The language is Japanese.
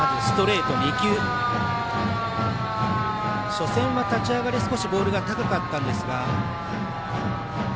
初戦は立ち上がり少しボールが高かったんですが。